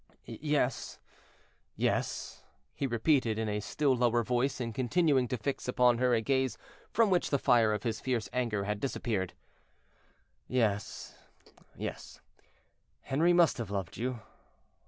"Yes, yes," he repeated, in a still lower voice, and continuing to fix upon her a gaze from which the fire of his fierce anger had disappeared—"yes, yes, Henri must have loved you.